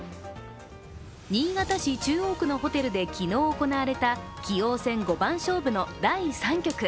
新潟市中央区のホテルで昨日行われた棋王戦五番勝負の第３局。